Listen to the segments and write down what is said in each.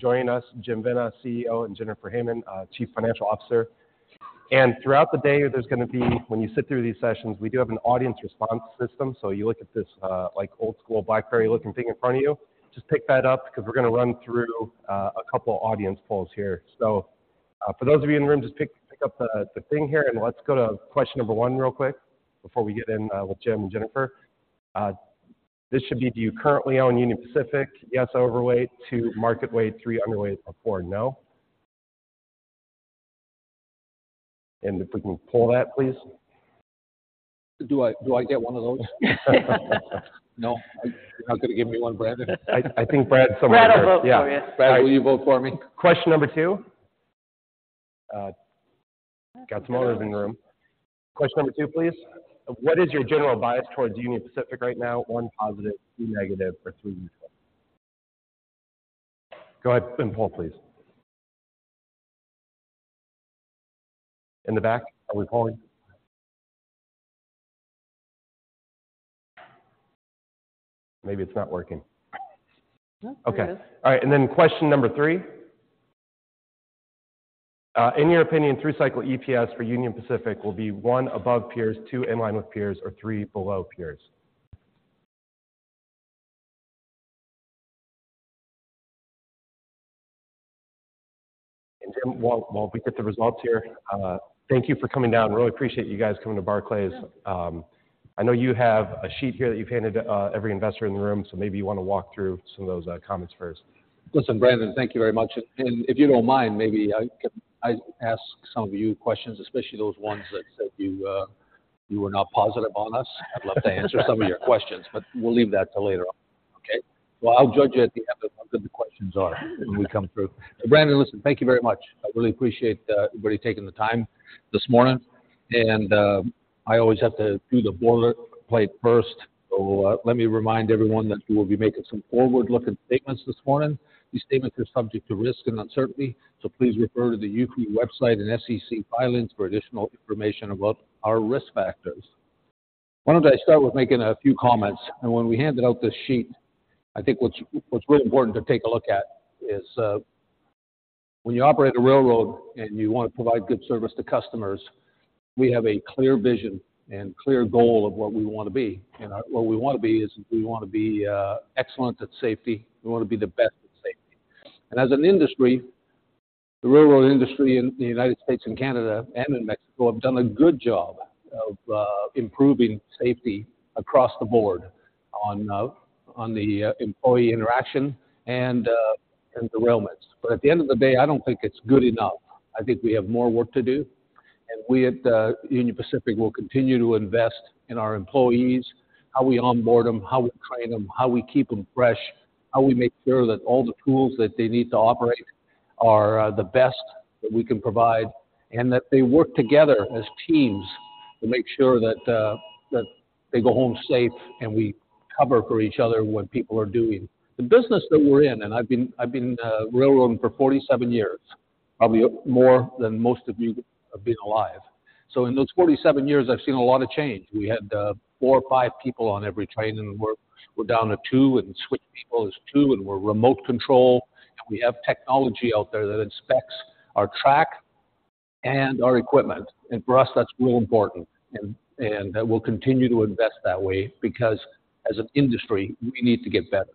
Joining us, Jim Vena, CEO, and Jennifer Hamann, Chief Financial Officer. Throughout the day there's going to be, when you sit through these sessions, we do have an audience response system, so you look at this, like old-school BlackBerry-looking thing in front of you. Just pick that up because we're going to run through a couple audience polls here. So, for those of you in the room, just pick up the thing here, and let's go to question number 1 real quick before we get in with Jim and Jennifer. This should be: Do you currently own Union Pacific? Yes, overweight. 2, market weight. 3, underweight. Or 4, no? And if we can pull that, please. Do I get one of those? No, you're not going to give me one, Brandon. I think Brad somewhere here. Brad will vote for you. Yeah, Brad, will you vote for me? Question number 2? Got some others in the room. Question number 2, please. What is your general bias towards Union Pacific right now? 1, positive. 2, negative. Or 3, neutral. Go ahead and pull, please. In the back, are we pulling? Maybe it's not working. Nope, it is. Okay. All right, and then question number 3. In your opinion, through-cycle EPS for Union Pacific will be: 1, above peers. 2, in line with peers. Or 3, below peers. And Jim, while we get the results here, thank you for coming down. Really appreciate you guys coming to Barclays. I know you have a sheet here that you've handed every investor in the room, so maybe you want to walk through some of those comments first. Listen, Brandon, thank you very much. And if you don't mind, maybe I can ask some of you questions, especially those ones that said you were not positive on us. I'd love to answer some of your questions, but we'll leave that till later on, okay? So I'll judge you at the end of how good the questions are when we come through. But Brandon, listen, thank you very much. I really appreciate everybody taking the time this morning. And I always have to do the boilerplate first, so let me remind everyone that we will be making some forward-looking statements this morning. These statements are subject to risk and uncertainty, so please refer to the UP website and SEC filings for additional information about our risk factors. Why don't I start with making a few comments? When we handed out this sheet, I think what's really important to take a look at is, when you operate a railroad and you want to provide good service to customers, we have a clear vision and clear goal of what we want to be. Our what we want to be is we want to be excellent at safety. We want to be the best at safety. And as an industry, the railroad industry in the United States and Canada and in Mexico have done a good job of improving safety across the board on the employee interaction and derailments. But at the end of the day, I don't think it's good enough. I think we have more work to do. We at Union Pacific will continue to invest in our employees, how we onboard them, how we train them, how we keep them fresh, how we make sure that all the tools that they need to operate are the best that we can provide, and that they work together as teams to make sure that they go home safe and we cover for each other what people are doing. The business that we're in—and I've been railroading for 47 years, probably more than most of you have been alive. So in those 47 years, I've seen a lot of change. We had 4 or 5 people on every train, and we're down to 2, and switch people is 2, and we're remote control. We have technology out there that inspects our track and our equipment. For us, that's real important. We'll continue to invest that way because, as an industry, we need to get better.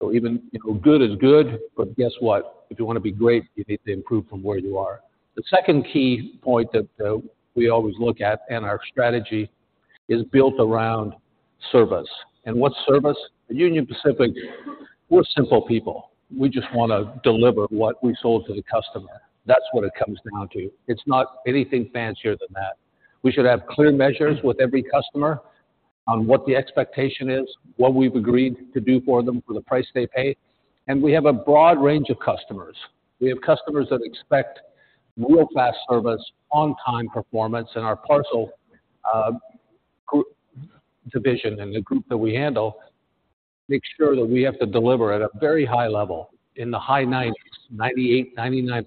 So even, you know, good is good, but guess what? If you want to be great, you need to improve from where you are. The second key point that we always look at in our strategy is built around service. What's service? At Union Pacific, we're simple people. We just want to deliver what we sold to the customer. That's what it comes down to. It's not anything fancier than that. We should have clear measures with every customer on what the expectation is, what we've agreed to do for them for the price they pay. We have a broad range of customers. We have customers that expect real fast service, on-time performance. Our parcel group division and the group that we handle make sure that we have to deliver at a very high level, in the high 90s, 98%, 99%,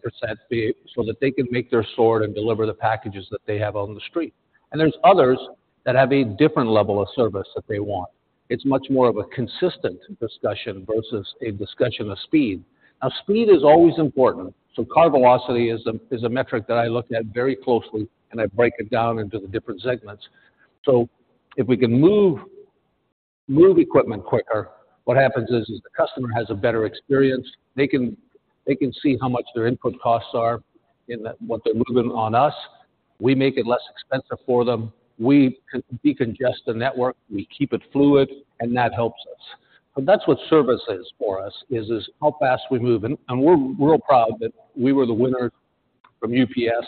so that they can make their sort and deliver the packages that they have on the street. There's others that have a different level of service that they want. It's much more of a consistent discussion versus a discussion of speed. Now, speed is always important. Car velocity is a metric that I look at very closely, and I break it down into the different segments. If we can move equipment quicker, what happens is the customer has a better experience. They can see how much their input costs are in what they're moving on us. We make it less expensive for them. We decongest the network. We keep it fluid, and that helps us. So that's what service is for us, is how fast we move. And we're real proud that we were the winners from UPS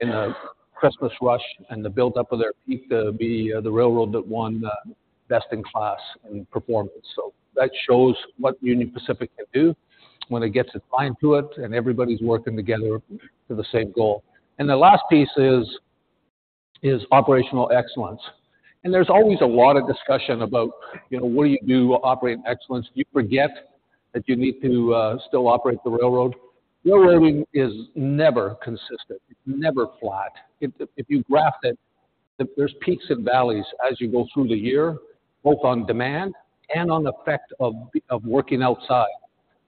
in the Christmas rush and the buildup of their peak to be the railroad that won, best in class in performance. So that shows what Union Pacific can do when it gets its mind to it and everybody's working together to the same goal. And the last piece is operational excellence. And there's always a lot of discussion about, you know, what do you do to operate excellence? Do you forget that you need to still operate the railroad? Railroading is never consistent. It's never flat. If you graph it, there's peaks and valleys as you go through the year, both on demand and on the effect of working outside.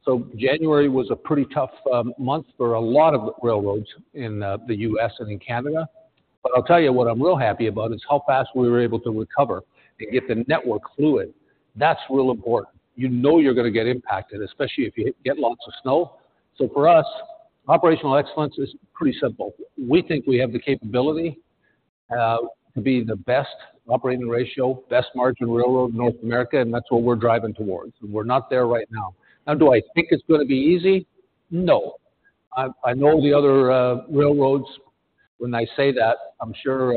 So January was a pretty tough month for a lot of railroads in the U.S. and in Canada. But I'll tell you what I'm real happy about is how fast we were able to recover and get the network fluid. That's real important. You know you're going to get impacted, especially if you get lots of snow. So for us, operational excellence is pretty simple. We think we have the capability to be the best operating ratio, best margin railroad in North America, and that's what we're driving towards. And we're not there right now. Now, do I think it's going to be easy? No. I, I know the other railroads, when I say that, I'm sure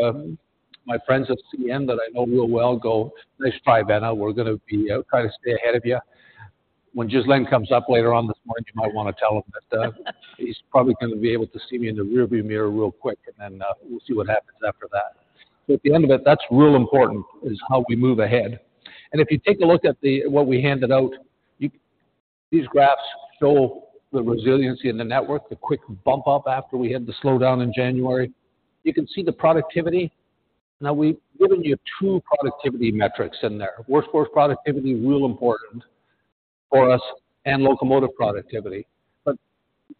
my friends at CN that I know real well go, "Nice try, Vena. We're going to be trying to stay ahead of you." When Ghislain comes up later on this morning, you might want to tell him that he's probably going to be able to see me in the rearview mirror real quick, and then we'll see what happens after that. So at the end of it, that's real important, is how we move ahead. And if you take a look at the—what we handed out, you these graphs show the resiliency in the network, the quick bump up after we had the slowdown in January. You can see the productivity. Now, we've given you two productivity metrics in there: workforce productivity, real important for us, and locomotive productivity. But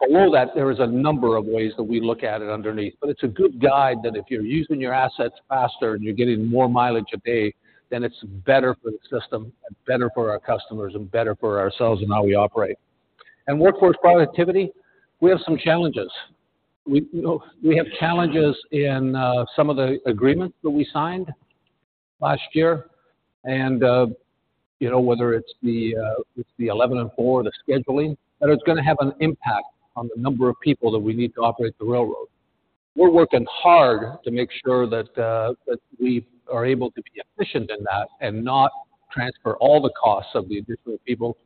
below that, there is a number of ways that we look at it underneath. But it's a good guide that if you're using your assets faster and you're getting more mileage a day, then it's better for the system and better for our customers and better for ourselves and how we operate. And workforce productivity, we have some challenges. We, you know, we have challenges in, some of the agreements that we signed last year. And, you know, whether it's the, it's the 11 and 4, the scheduling, that it's going to have an impact on the number of people that we need to operate the railroad. We're working hard to make sure that, that we are able to be efficient in that and not transfer all the costs of the additional people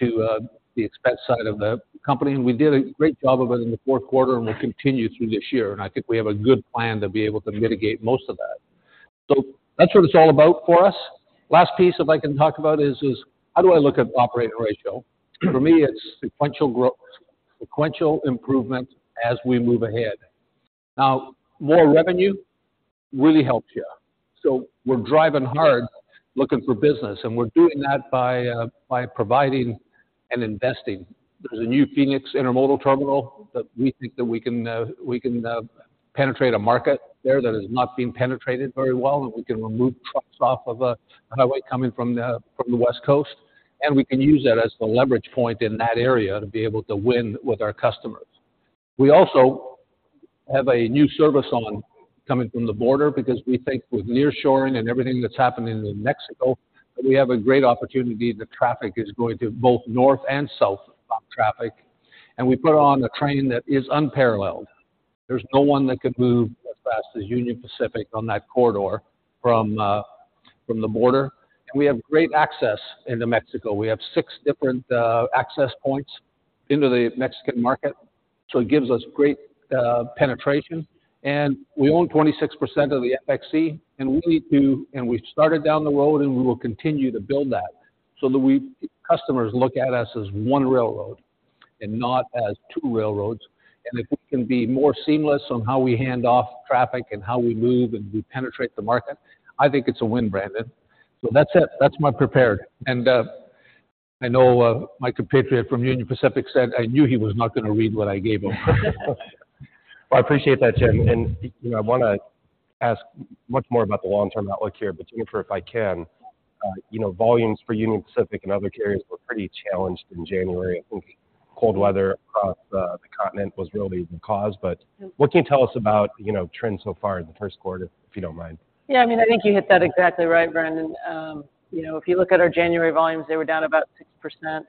to, the expense side of the company. And we did a great job of it in the fourth quarter, and we'll continue through this year. I think we have a good plan to be able to mitigate most of that. That's what it's all about for us. Last piece, if I can talk about, is, is how do I look at operating ratio? For me, it's sequential growth, sequential improvement as we move ahead. Now, more revenue really helps you. We're driving hard, looking for business, and we're doing that by, by providing and investing. There's a new Phoenix intermodal terminal that we think that we can, we can, penetrate a market there that has not been penetrated very well, and we can remove trucks off of a highway coming from the, from the West Coast. We can use that as the leverage point in that area to be able to win with our customers. We also have a new service coming from the border because we think, with nearshoring and everything that's happening in Mexico, that we have a great opportunity that traffic is going to both north and south stop traffic. We put on a train that is unparalleled. There's no one that can move as fast as Union Pacific on that corridor from the border. We have great access into Mexico. We have six different access points into the Mexican market, so it gives us great penetration. We own 26% of Ferromex, and we need to—and we've started down the road, and we will continue to build that so that customers look at us as one railroad and not as two railroads. And if we can be more seamless on how we hand off traffic and how we move and we penetrate the market, I think it's a win, Brandon. So that's it. That's my prepared. And, I know, my compatriot from Union Pacific said I knew he was not going to read what I gave him. Well, I appreciate that, Jim. And, you know, I want to ask much more about the long-term outlook here. But Jennifer, if I can, you know, volumes for Union Pacific and other carriers were pretty challenged in January. I think cold weather across the continent was really the cause. But what can you tell us about, you know, trends so far in the first quarter, if you don't mind? Yeah, I mean, I think you hit that exactly right, Brandon. You know, if you look at our January volumes, they were down about 6%.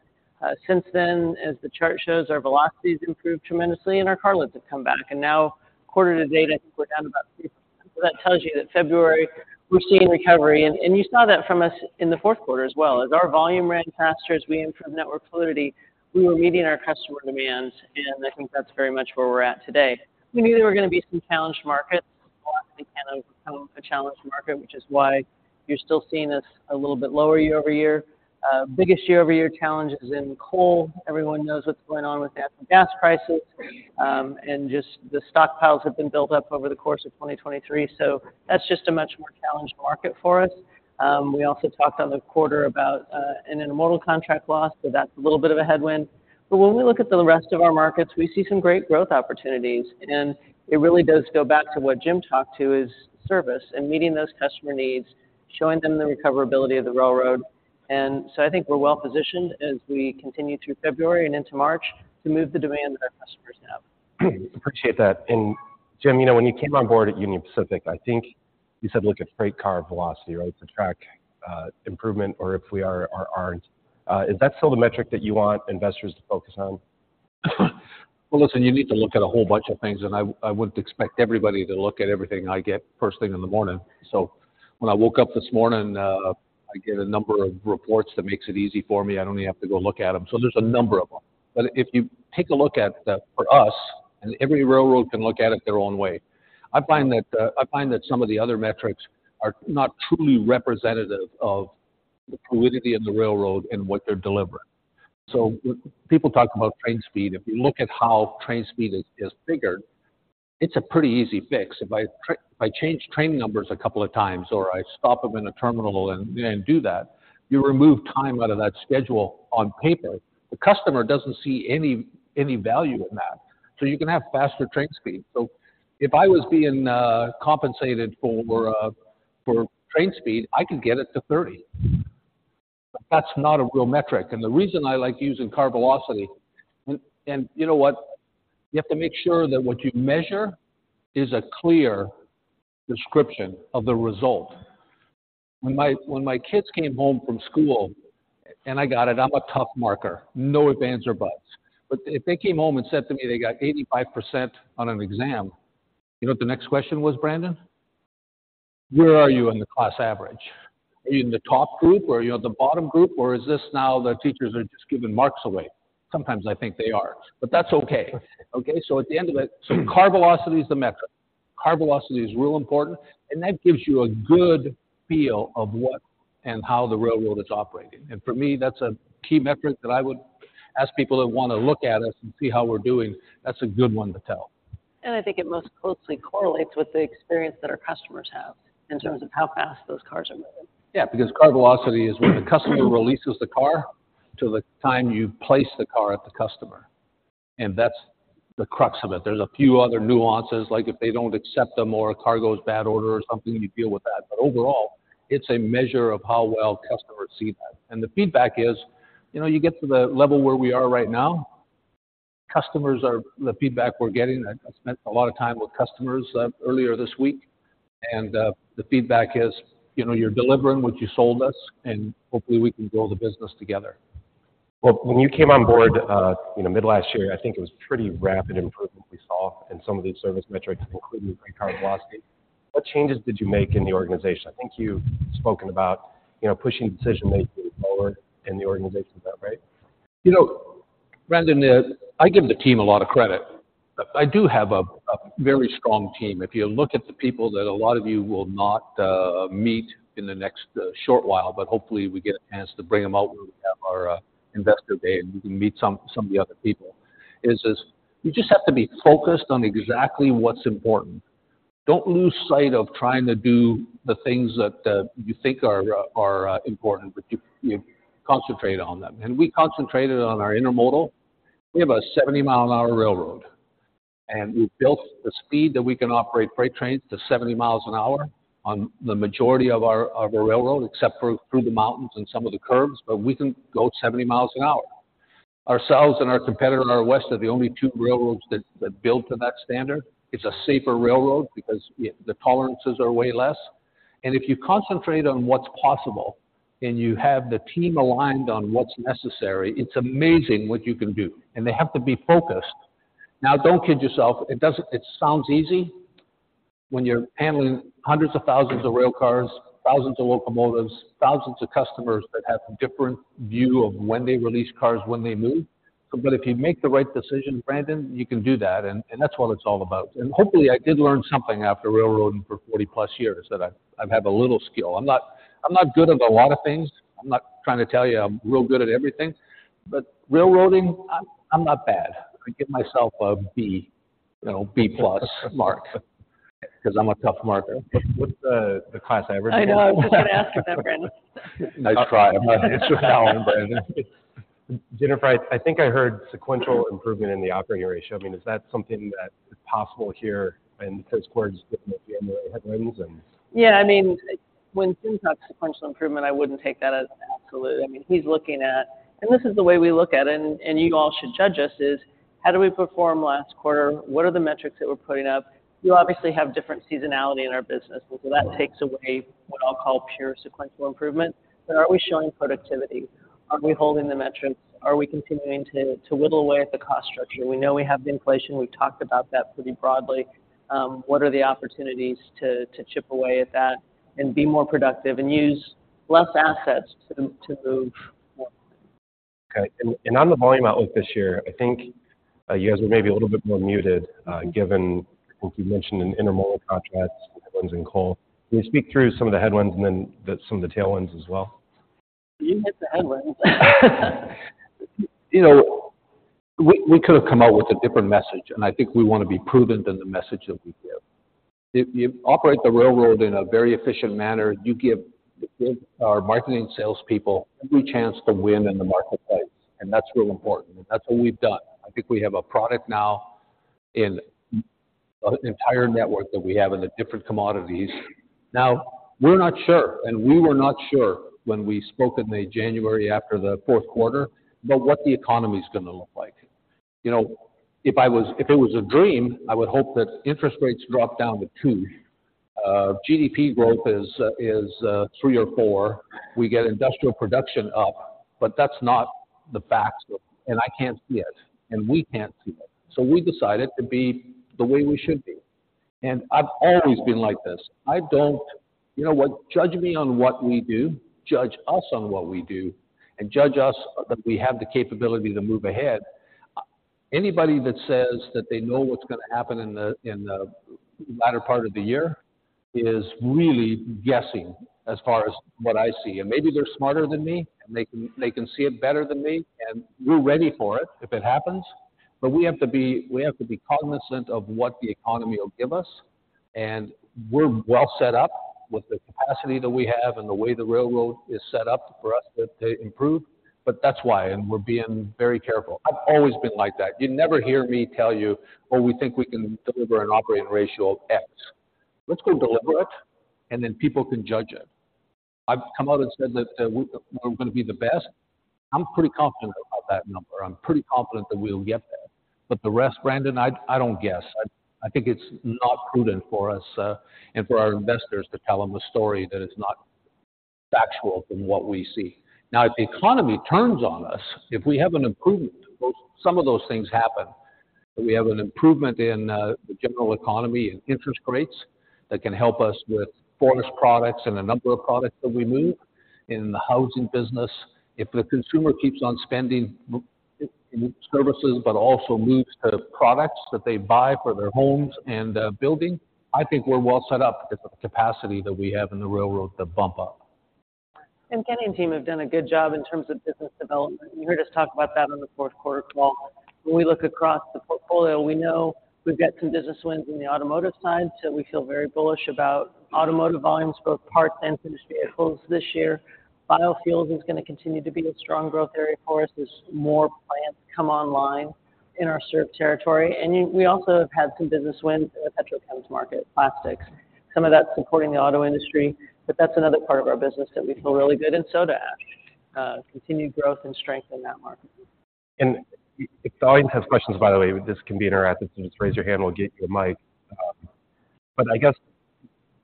Since then, as the chart shows, our velocities improved tremendously, and our carloads have come back. Now, quarter to date, I think we're down about 3%. So that tells you that February, we're seeing recovery. And, and you saw that from us in the fourth quarter as well. As our volume ran faster, as we improved network fluidity, we were meeting our customer demands. I think that's very much where we're at today. We knew there were going to be some challenged markets. Washington can overcome a challenged market, which is why you're still seeing us a little bit lower year-over-year. Biggest year-over-year challenge is in coal. Everyone knows what's going on with natural gas prices. Just the stockpiles have been built up over the course of 2023, so that's just a much more challenged market for us. We also talked on the quarter about an intermodal contract loss, so that's a little bit of a headwind. But when we look at the rest of our markets, we see some great growth opportunities. And it really does go back to what Jim talked to, is service and meeting those customer needs, showing them the recoverability of the railroad. And so I think we're well-positioned as we continue through February and into March to move the demand that our customers have. Appreciate that. And, Jim, you know, when you came on board at Union Pacific, I think you said, "Look at freight car velocity, right, to track improvement, or if we are or aren't." Is that still the metric that you want investors to focus on? Well, listen, you need to look at a whole bunch of things. And I, I wouldn't expect everybody to look at everything I get first thing in the morning. So when I woke up this morning, I get a number of reports that makes it easy for me. I don't even have to go look at them. So there's a number of them. But if you take a look at, for us, and every railroad can look at it their own way, I find that, I find that some of the other metrics are not truly representative of the fluidity in the railroad and what they're delivering. So when people talk about train speed, if you look at how train speed is, is figured, it's a pretty easy fix. If I change train numbers a couple of times or I stop them in a terminal and do that, you remove time out of that schedule on paper. The customer doesn't see any value in that. So you can have faster train speed. So if I was being compensated for train speed, I could get it to 30. But that's not a real metric. And the reason I like using car velocity and you know what? You have to make sure that what you measure is a clear description of the result. When my kids came home from school, and I got it, I'm a tough marker. No ifs, ands, or buts. But if they came home and said to me they got 85% on an exam, you know what the next question was, Brandon? Where are you in the class average? Are you in the top group, or are you on the bottom group, or is this now the teachers are just giving marks away? Sometimes I think they are. But that's okay. Okay? So at the end of it, so car velocity is the metric. Car velocity is real important. And that gives you a good feel of what and how the railroad is operating. And for me, that's a key metric that I would ask people that want to look at us and see how we're doing. That's a good one to tell. I think it most closely correlates with the experience that our customers have in terms of how fast those cars are moving. Yeah, because car velocity is when the customer releases the car to the time you place the car at the customer. And that's the crux of it. There's a few other nuances, like if they don't accept them or a car goes bad order or something, you deal with that. But overall, it's a measure of how well customers see that. And the feedback is, you know, you get to the level where we are right now, customers are the feedback we're getting. I spent a lot of time with customers, earlier this week. And, the feedback is, you know, you're delivering what you sold us, and hopefully, we can grow the business together. Well, when you came on board, you know, mid-last year, I think it was pretty rapid improvement we saw in some of these service metrics, including freight car velocity. What changes did you make in the organization? I think you've spoken about, you know, pushing decision-making forward in the organization. Is that right? You know, Brandon, I give the team a lot of credit. I do have a very strong team. If you look at the people that a lot of you will not meet in the next short while, but hopefully, we get a chance to bring them out when we have our investor day, and you can meet some of the other people, you just have to be focused on exactly what's important. Don't lose sight of trying to do the things that you think are important, but you concentrate on them. We concentrated on our intermodal. We have a 70-mile-an-hour railroad. We've built the speed that we can operate freight trains to 70 miles an hour on the majority of our railroad, except for through the mountains and some of the curves. We can go 70 miles an hour. Ourselves and our competitor, our West, are the only two railroads that, that build to that standard. It's a safer railroad because the tolerances are way less. And if you concentrate on what's possible and you have the team aligned on what's necessary, it's amazing what you can do. And they have to be focused. Now, don't kid yourself. It doesn't. It sounds easy when you're handling hundreds of thousands of rail cars, thousands of locomotives, thousands of customers that have a different view of when they release cars, when they move. But if you make the right decision, Brandon, you can do that. And, and that's what it's all about. And hopefully, I did learn something after railroading for 40+ years that I've, I've had a little skill. I'm not, I'm not good at a lot of things. I'm not trying to tell you I'm real good at everything. But railroading, I'm, I'm not bad. I give myself a B, you know, B-plus mark because I'm a tough marker. What's the class average again? I know. I was just going to ask you that, Brandon. Nice try. I'm not answering that one, Brandon. Jennifer, I think I heard sequential improvement in the operating ratio. I mean, is that something that is possible here in the first quarter, just getting the January headwinds, and? Yeah, I mean, when Jim talks sequential improvement, I wouldn't take that as an absolute. I mean, he's looking at and this is the way we look at it, and, and you all should judge us, is how do we perform last quarter? What are the metrics that we're putting up? You obviously have different seasonality in our business. And so that takes away what I'll call pure sequential improvement. But are we showing productivity? Are we holding the metrics? Are we continuing to, to whittle away at the cost structure? We know we have the inflation. We've talked about that pretty broadly. What are the opportunities to, to chip away at that and be more productive and use less assets to, to move more? Okay. And on the volume outlook this year, I think you guys were maybe a little bit more muted, given I think you mentioned an intermodal contract, headwinds, and coal. Can you speak through some of the headwinds and then some of the tailwinds as well? You hit the headwinds. You know, we could have come out with a different message. I think we want to be prudent in the message that we give. If you operate the railroad in a very efficient manner, you give our marketing and salespeople every chance to win in the marketplace. That's real important. That's what we've done. I think we have a product now in the entire network that we have in the different commodities. Now, we're not sure. We were not sure when we spoke in the January after the fourth quarter about what the economy's going to look like. You know, if it was a dream, I would hope that interest rates drop down to 2. GDP growth is 3 or 4. We get industrial production up. But that's not the facts. I can't see it. We can't see it. So we decided to be the way we should be. I've always been like this. I don't you know what? Judge me on what we do. Judge us on what we do. Judge us that we have the capability to move ahead. Anybody that says that they know what's going to happen in the in the latter part of the year is really guessing as far as what I see. Maybe they're smarter than me, and they can they can see it better than me. We're ready for it if it happens. But we have to be we have to be cognizant of what the economy will give us. We're well set up with the capacity that we have and the way the railroad is set up for us to, to improve. But that's why. We're being very careful. I've always been like that. You never hear me tell you, "Oh, we think we can deliver an operating ratio of X. Let's go deliver it, and then people can judge it." I've come out and said that, we're going to be the best. I'm pretty confident about that number. I'm pretty confident that we'll get there. But the rest, Brandon, I don't guess. I think it's not prudent for us, and for our investors to tell them a story that is not factual from what we see. Now, if the economy turns on us, if we have an improvement, some of those things happen. If we have an improvement in the general economy and interest rates that can help us with forest products and a number of products that we move, in the housing business, if the consumer keeps on spending in services but also moves to products that they buy for their homes and building, I think we're well set up because of the capacity that we have in the railroad to bump up. Kenny and Jim have done a good job in terms of business development. You heard us talk about that on the fourth quarter call. When we look across the portfolio, we know we've got some business wins in the automotive side, so we feel very bullish about automotive volumes, both parts and finished vehicles this year. Biofuels is going to continue to be a strong growth area for us as more plants come online in our served territory. We also have had some business wins in the petrochemicals market, plastics, some of that supporting the auto industry. But that's another part of our business that we feel really good in, soda ash, continued growth and strength in that market. If the audience has questions, by the way, this can be interactive. Just raise your hand. We'll get you a mic. I guess,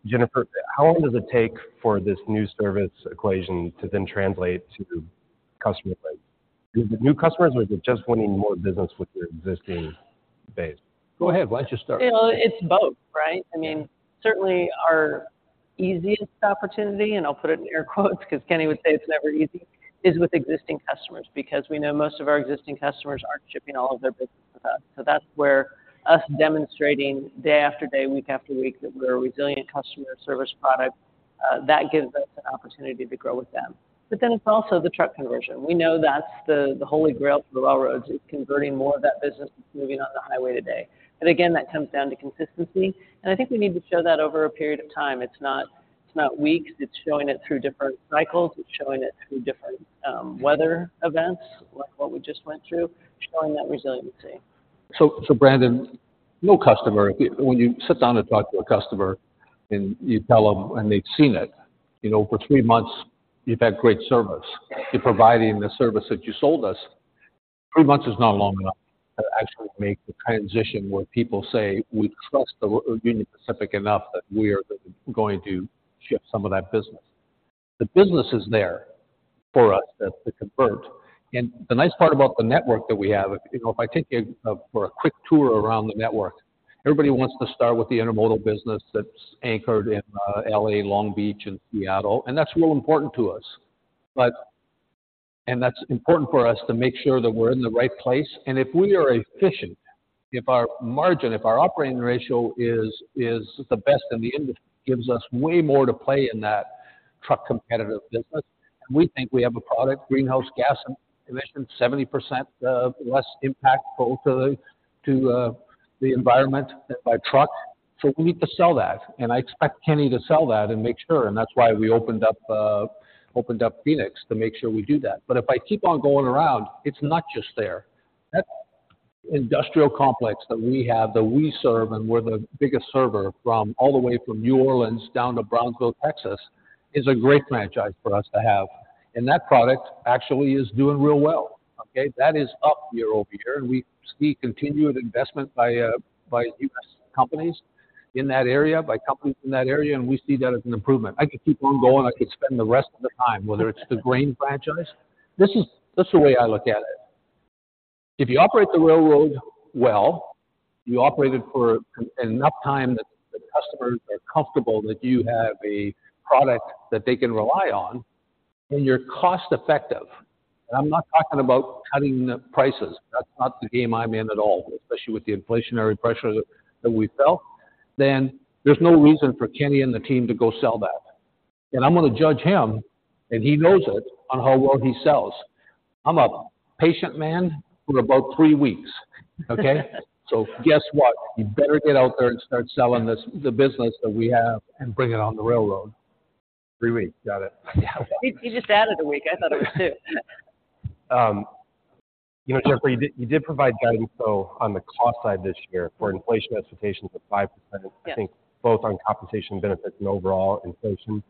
Jennifer, how long does it take for this new service equation to then translate to customer wins? Is it new customers, or is it just winning more business with your existing base? Go ahead. Why don't you start? You know, it's both, right? I mean, certainly, our easiest opportunity - and I'll put it in air quotes because Kenny would say it's never easy - is with existing customers because we know most of our existing customers aren't shipping all of their business with us. So that's where us demonstrating day after day, week after week, that we're a resilient customer, service product, that gives us an opportunity to grow with them. But then it's also the truck conversion. We know that's the holy grail for railroads. It's converting more of that business that's moving on the highway today. And again, that comes down to consistency. And I think we need to show that over a period of time. It's not weeks. It's showing it through different cycles. It's showing it through different weather events like what we just went through, showing that resiliency. So, Brandon, no customer. If you sit down and talk to a customer, and you tell them, and they've seen it, you know, for three months, you've had great service. You're providing the service that you sold us. Three months is not long enough to actually make the transition where people say, "We trust the Union Pacific enough that we are going to shift some of that business." The business is there for us to convert. And the nice part about the network that we have, you know, if I take you for a quick tour around the network, everybody wants to start with the intermodal business that's anchored in L.A., Long Beach, and Seattle. And that's real important to us. And that's important for us to make sure that we're in the right place. If we are efficient, if our margin, if our operating ratio is the best in the industry, it gives us way more to play in that truck competitive business. And we think we have a product, greenhouse gas emissions 70% less impactful to the environment than by truck. So we need to sell that. And I expect Kenny to sell that and make sure. And that's why we opened up Phoenix to make sure we do that. But if I keep on going around, it's not just there. That industrial complex that we have, that we serve, and we're the biggest server from all the way from New Orleans down to Brownsville, Texas, is a great franchise for us to have. And that product actually is doing real well. Okay? That is up year-over-year. We see continued investment by, by U.S. companies in that area, by companies in that area. We see that as an improvement. I could keep on going. I could spend the rest of the time, whether it's the grain franchise. This is that's the way I look at it. If you operate the railroad well, you operate it for enough time that the customers are comfortable that you have a product that they can rely on, and you're cost-effective, and I'm not talking about cutting the prices. That's not the game I'm in at all, especially with the inflationary pressures that we felt, then there's no reason for Kenny and the team to go sell that. I'm going to judge him, and he knows it, on how well he sells. I'm a patient man for about three weeks. Okay? So guess what? You better get out there and start selling the business that we have and bring it on the railroad. Three weeks. Got it. Yeah. He, he just added a week. I thought it was two. You know, Jennifer, you did you did provide guidance, though, on the cost side this year for inflation expectations of 5%, I think, both on compensation benefits and overall inflation.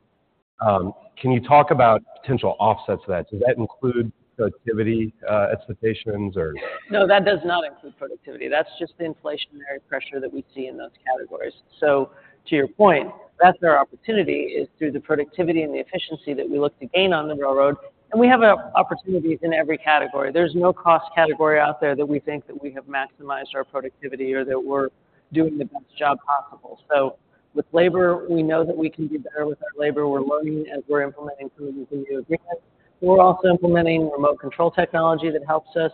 Can you talk about potential offsets to that? Does that include productivity expectations, or? No, that does not include productivity. That's just the inflationary pressure that we see in those categories. So to your point, that's our opportunity, is through the productivity and the efficiency that we look to gain on the railroad. And we have opportunities in every category. There's no cost category out there that we think that we have maximized our productivity or that we're doing the best job possible. So with labor, we know that we can do better with our labor. We're learning as we're implementing some of these new agreements. But we're also implementing remote control technology that helps us.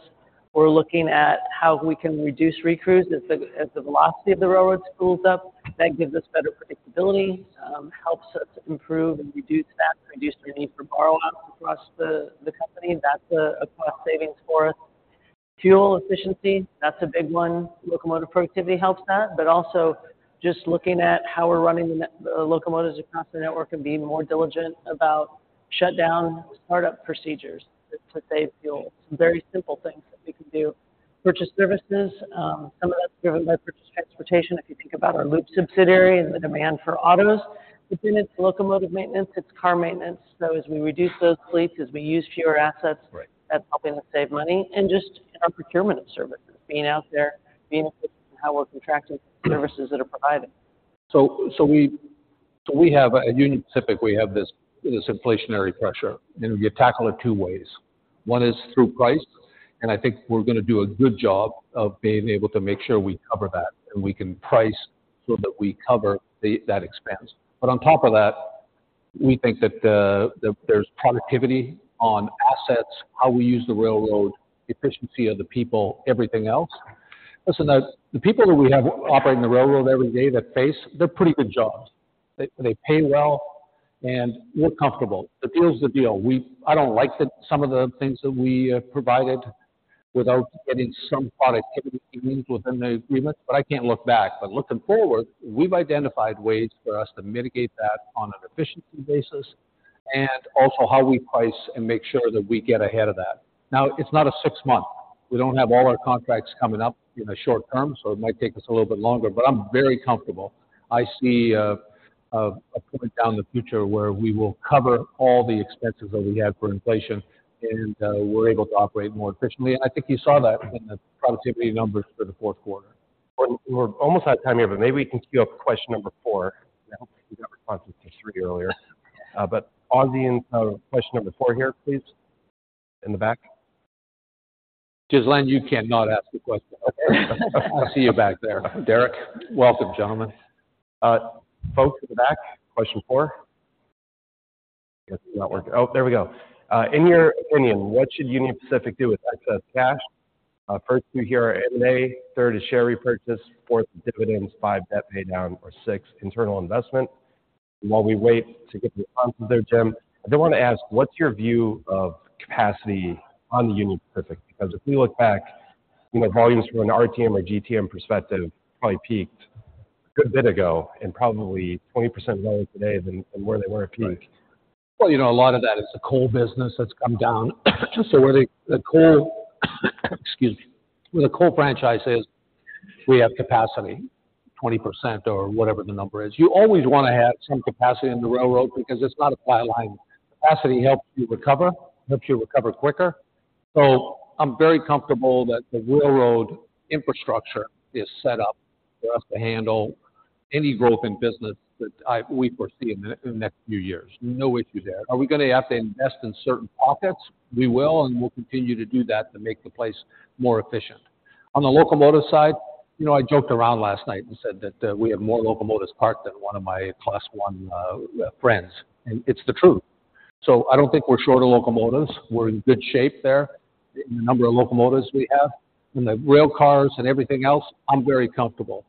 We're looking at how we can reduce recruits as the velocity of the railroad spools up. That gives us better predictability, helps us improve and reduce that, reduce our need for borrow-outs across the company. That's a cost savings for us. Fuel efficiency, that's a big one. Locomotive productivity helps that. But also just looking at how we're running the locomotives across the network and being more diligent about shutdown startup procedures to save fuel, some very simple things that we can do. Purchased services, some of that's driven by purchased transportation. If you think about our Loup subsidiary and the demand for autos, but then it's locomotive maintenance. It's car maintenance. So as we reduce those fleets, as we use fewer assets, that's helping us save money. And just our procurement of services, being out there, being efficient in how we're contracting for the services that are provided. So, we have a Union Pacific. We have this inflationary pressure. And you tackle it two ways. One is through price. And I think we're going to do a good job of being able to make sure we cover that, and we can price so that we cover that expense. But on top of that, we think that there's productivity on assets, how we use the railroad, efficiency of the people, everything else. Listen, the people that we have operating the railroad every day that face, they're pretty good jobs. They pay well, and we're comfortable. The deal's the deal. I don't like some of the things that we provided without getting some productivity gains within the agreements. But I can't look back. But looking forward, we've identified ways for us to mitigate that on an efficiency basis and also how we price and make sure that we get ahead of that. Now, it's not a six-month. We don't have all our contracts coming up in a short term, so it might take us a little bit longer. But I'm very comfortable. I see a point down the future where we will cover all the expenses that we have for inflation, and we're able to operate more efficiently. And I think you saw that in the productivity numbers for the fourth quarter. We're almost out of time here. Maybe we can cue up question number four. I hope we got responses to three earlier. Audience's question number four here, please, in the back. Jazlan, you cannot ask the question. I'll see you back there. Derek, welcome, gentlemen. Folks in the back, question four. It's not working. Oh, there we go. In your opinion, what should Union Pacific do with excess cash? First two here are M&A. Third is share repurchase. Fourth is dividends. Five, debt paydown. Or six, internal investment. And while we wait to get the responses there, Jim, I do want to ask, what's your view of capacity on the Union Pacific? Because if we look back, you know, volumes from an RTM or GTM perspective probably peaked a good bit ago and probably 20% lower today than where they were at peak. Well, you know, a lot of that is the coal business that's come down. So where the coal franchise is, we have capacity, 20% or whatever the number is. You always want to have some capacity in the railroad because it's not a flat line. Capacity helps you recover. It helps you recover quicker. So I'm very comfortable that the railroad infrastructure is set up for us to handle any growth in business that we foresee in the next few years. No issues there. Are we going to have to invest in certain pockets? We will. And we'll continue to do that to make the place more efficient. On the locomotive side, you know, I joked around last night and said that we have more locomotives parked than one of my Class I friends. And it's the truth. So I don't think we're short of locomotives. We're in good shape there in the number of locomotives we have. And the rail cars and everything else, I'm very comfortable.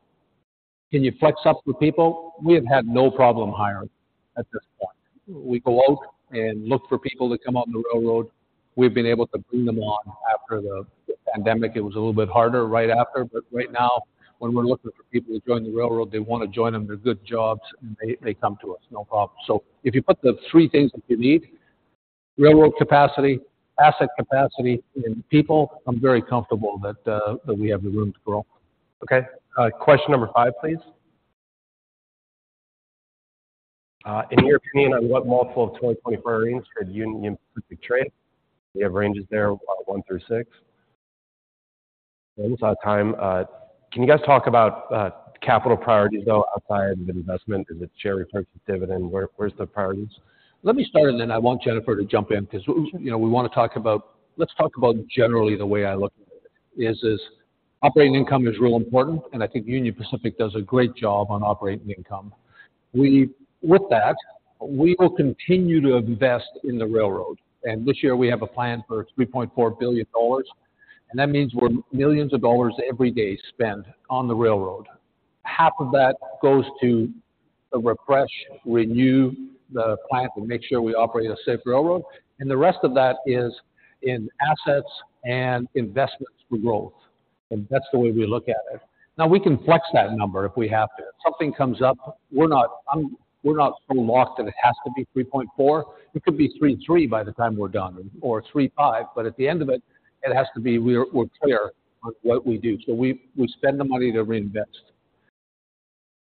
Can you flex up for people? We have had no problem hiring at this point. We go out and look for people to come on the railroad. We've been able to bring them on after the pandemic. It was a little bit harder right after. But right now, when we're looking for people to join the railroad, they want to join them. They're good jobs. And they, they come to us. No problem. So if you put the three things that you need, railroad capacity, asset capacity, and people, I'm very comfortable that, that we have the room to grow. Okay. Question number 5, please. In your opinion, on what multiple of 2024 EPS range for Union Pacific trade? You have ranges there, 1 through 6. And we saw time. Can you guys talk about capital priorities, though, outside of investment? Is it share repurchase, dividend? Where, where's the priorities? Let me start, and then I want Jennifer to jump in because, you know, we want to talk about generally the way I look at it is operating income is real important. And I think Union Pacific does a great job on operating income. With that, we will continue to invest in the railroad. And this year, we have a plan for $3.4 billion. And that means we're millions of dollars every day spent on the railroad. Half of that goes to refresh, renew the plant, and make sure we operate a safe railroad. And the rest of that is in assets and investments for growth. And that's the way we look at it. Now, we can flex that number if we have to. If something comes up, we're not so locked that it has to be 3.4. It could be 3.3 by the time we're done or 3.5. But at the end of it, it has to be we're clear on what we do. So we spend the money to reinvest.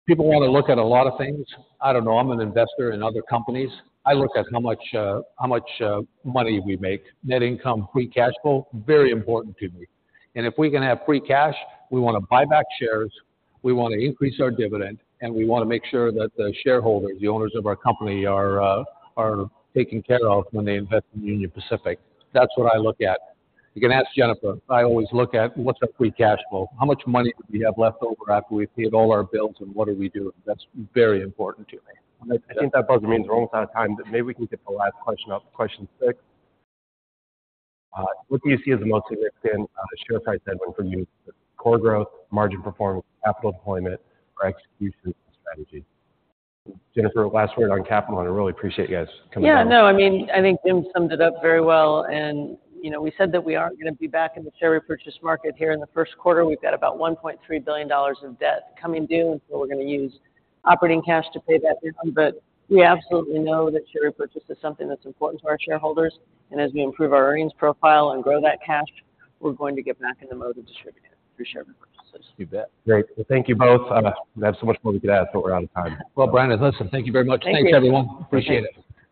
People want to look at a lot of things. I don't know. I'm an investor in other companies. I look at how much money we make, net income, free cash flow, very important to me. And if we can have free cash, we want to buy back shares. We want to increase our dividend. And we want to make sure that the shareholders, the owners of our company, are taken care of when they invest in Union Pacific. That's what I look at. You can ask Jennifer. I always look at, what's our free cash flow? How much money do we have left over after we've paid all our bills? What are we doing? That's very important to me. I think that buzzer means we're almost out of time. But maybe we can get to the last question up, question six. What do you see as the most significant, share price headwind for you, core growth, margin performance, capital deployment, or execution strategy? Jennifer, last word on capital. I really appreciate you guys coming on. Yeah. No. I mean, I think Jim summed it up very well. And, you know, we said that we aren't going to be back in the share repurchase market here in the first quarter. We've got about $1.3 billion of debt coming due. And so we're going to use operating cash to pay that down. But we absolutely know that share repurchase is something that's important to our shareholders. And as we improve our earnings profile and grow that cash, we're going to get back in the mode of distributing it through share repurchases. You bet. Great. Well, thank you both. We have so much more we could add. But we're out of time. Well, Brian, listen. Thank you very much. Thanks, everyone. Appreciate it.